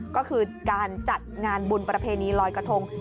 ก็คือการจัดงานบุญประเพณีลอยกระทง